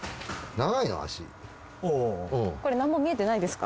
これ何も見えてないですか？